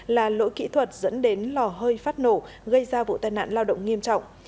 là lỗi kỹ thuật dẫn đến lò hơi phát nổ gây ra vụ tai nạn lao động nghiêm trọng